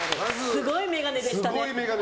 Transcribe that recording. すごい眼鏡でしたね。